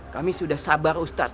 kami sudah sabar ustadz